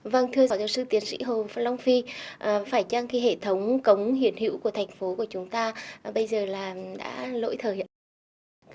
vâng thưa giáo sư tiến sĩ hồ phan long phi phải chăng hệ thống cống hiển hữu của thành phố của chúng ta bây giờ đã lỗi thời